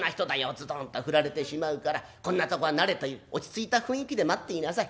ズドンと振られてしまうからこんなとこは慣れて落ち着いた雰囲気で待っていなさい。